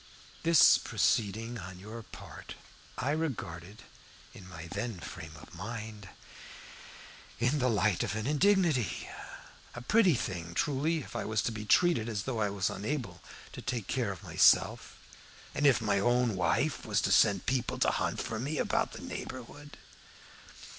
This proceeding on your part I regarded, in my then frame of mind, in the light of an indignity. A pretty thing, truly, if I was to be treated as though I was unable to take care of myself, and if my own wife was to send people to hunt for me about the neighborhood!